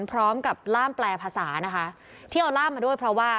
พร้อมกับล่ามแปลภาษานะคะที่เอาล่ามมาด้วยเพราะว่า